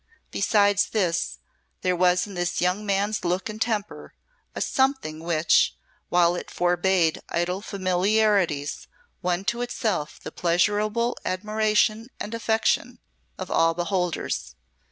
Besides this, there was in this young man's look and temper a something which, while it forbade idle familiarities, won to itself the pleasurable admiration and affection of all beholders.